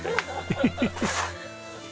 ヘヘヘヘ。